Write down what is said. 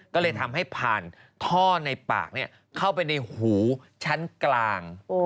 ก็เลยทำให้ผ่านท่อในปากเข้าไปในหูชั้นกลาง